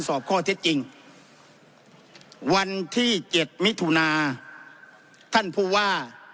สอบข้อเท็จจริงวันที่๗มิถุนาท่านผู้ว่า